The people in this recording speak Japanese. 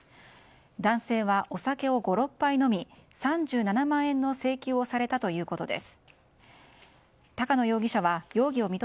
男性はお酒を５６杯飲み３７万円の請求をされたということです。